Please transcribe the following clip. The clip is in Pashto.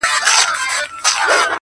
• ټولنه د درد ريښه جوړوي تل,